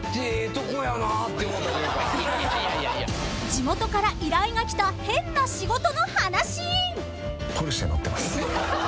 ［地元から依頼が来た変な仕事の話］